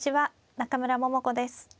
中村桃子です。